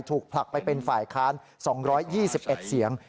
ผลักไปเป็นฝ่ายค้าน๒๒๑เสียง